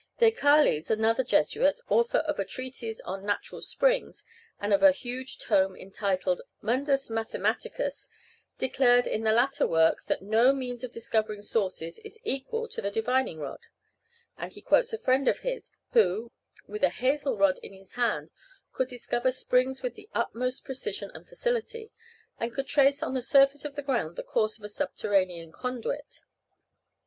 Dechales, another Jesuit, author of a treatise on natural springs, and of a huge tome entitled "Mundus Mathematicus," declared in the latter work, that no means of discovering sources is equal to the divining rod; and he quotes a friend of his who, with a hazel rod in his hand, could discover springs with the utmost precision and facility, and could trace on the surface of the ground the course of a subterranean conduit.